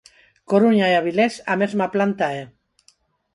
"Coruña e Avilés, a mesma planta é".